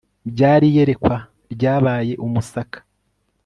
Byari iyerekwa ryabaye umusaka